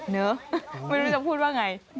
เนอะไม่รู้จะพูดว่าไง